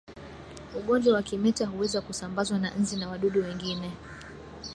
Ugonjwa wa kimeta huweza kusambazwa na nzi na wadudu wengine